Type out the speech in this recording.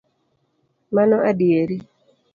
Mano adieri